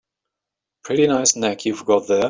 Pretty nice neck you've got there.